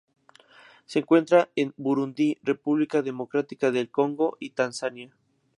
Se encuentra en Burundi República Democrática del Congo y Tanzania